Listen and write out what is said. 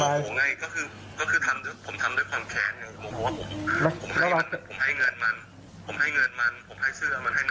มันเหมือนคนเองละคุณไอ้ผู้หญิงคนนี้